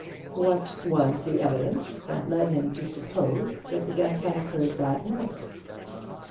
What was the evidence that led him to suppose that the death had occurred that night?